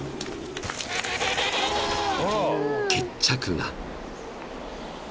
［決着が］